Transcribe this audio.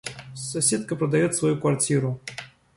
Соседка продаёт свою квартиру.